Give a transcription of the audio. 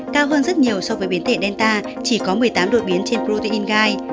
cao hơn rất nhiều so với biến thể delta chỉ có một mươi tám đội biến trên protein gai